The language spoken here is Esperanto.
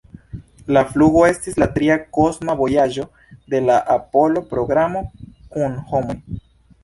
La flugo estis la tria kosma vojaĝo de la Apollo-programo kun homoj.